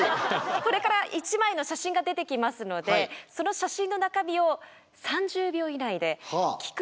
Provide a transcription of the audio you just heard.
これから１枚の写真が出てきますのでその写真の中身を３０秒以内で聞く人の心に残るようにお伝え下さい。